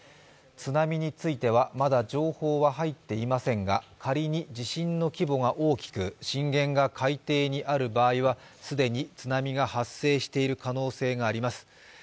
津波については、まだ情報は入っていませんが、仮に地震の規模が大きく震源が海底にある場合は既に津波が発生している可能性があります。